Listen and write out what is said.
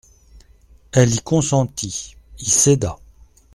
Elle y consentit, y céda.